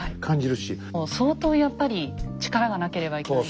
相当やっぱり力がなければいけないし。